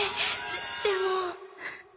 ででも